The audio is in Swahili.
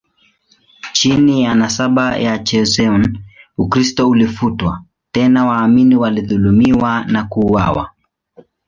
Chini ya nasaba ya Joseon, Ukristo ulifutwa, tena waamini walidhulumiwa na kuuawa.